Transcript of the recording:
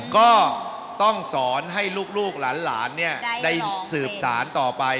ก็ต้องสอนให้ลูกหลานได้สืบสารต่อไป